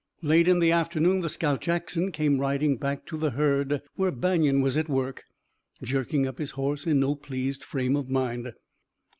Late in the afternoon the scout, Jackson, came riding back to the herd where Banion was at work, jerking up his horse in no pleased frame of mind.